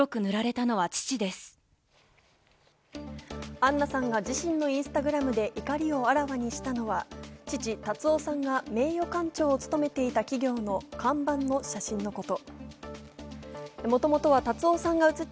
アンナさんが自身のインスタグラムで怒りをあらわにしたのは、父・辰夫さんが名誉館長を務めていた企業の看板の写真のこと。